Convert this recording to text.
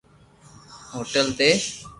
ھوٽل تي